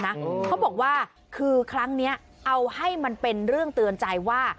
เขาบอกว่าคือครั้งนี้เอาให้มันเป็นเรื่องเตือนใจว่า